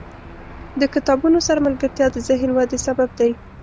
• د کتابونو سره ملګرتیا، د ذهن ودې سبب دی.